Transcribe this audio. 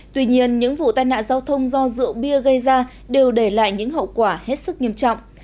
tuy nhiên những vụ tai nạn giao thông do rượu bia gây ra đều để lại những hậu quả hết sức nghiêm trọng